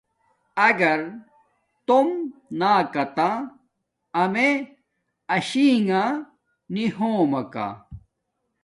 اگر توم ناکاتہ امے اشی نݣ نی ہوم ماکا